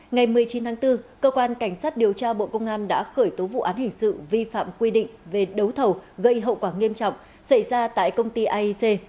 ngày một mươi chín tháng bốn cơ quan cảnh sát điều tra bộ công an đã khởi tố vụ án hình sự vi phạm quy định về đấu thầu gây hậu quả nghiêm trọng xảy ra tại công ty aic